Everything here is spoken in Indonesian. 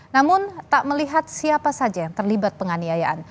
namun tak melihat siapa saja yang terlibat penganiayaan